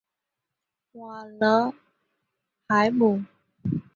瓦勒海姆。